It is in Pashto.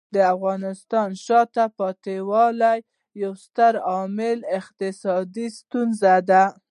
د افغانستان د شاته پاتې والي یو ستر عامل اقتصادي ستونزې دي.